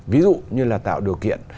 ví dụ như là tạo điều kiện